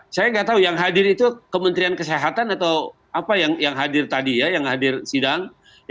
saya nggak tahu yang hadir itu kementerian kesehatan atau apa yang hadir tadi ya yang hadir sidang